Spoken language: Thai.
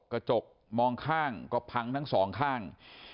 กระจกมองข้างก็พังทั้งสองข้าง